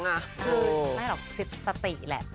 ไม่หรอกสติแหละ